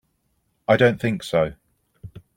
I don't think so.